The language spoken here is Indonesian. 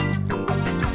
kamu nggak punya kue